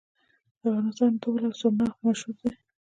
د افغانستان دهل او سرنا مشهور دي